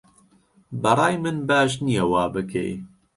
بەڕای من باش نییە وابکەی